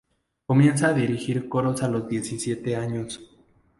Comienza a dirigir coros a los diecisiete años.